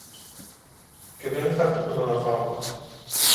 Και δεν είχα τίποτα να φάγω